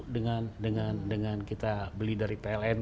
dengan kita beli dari pln